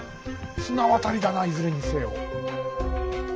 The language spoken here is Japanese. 綱渡りだないずれにせよ。